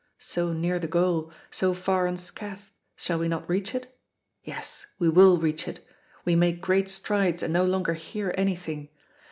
So near the goal, so far unscathed, shall we not reach it? Yes, we will reach it! We make great strides and no longer hear anything.